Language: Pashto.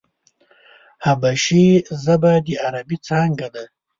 حبشي ژبه د عربي څانگه ده.